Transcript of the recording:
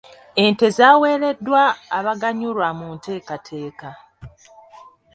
Ente zaaweereddwa abaganyulwa mu nteekateeka.